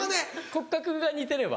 骨格が似てれば？